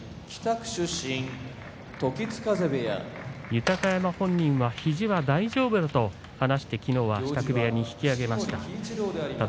豊山本人は肘は大丈夫と言って支度部屋に引き揚げました。